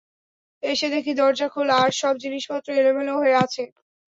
এসে দেখি দরজা খোলা আর সব জিনিসপত্র এলোমেলো হয়ে আছে।